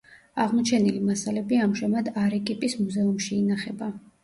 აღმოჩენილი მასალები ამჟამად არეკიპის მუზეუმში ინახება.